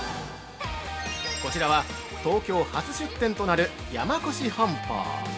◆こちらは東京初出店となる山古志本舗！